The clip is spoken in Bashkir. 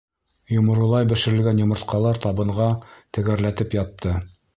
Йоморолай бешерелгән йомортҡалар табынға тәгәрләтеп ятты.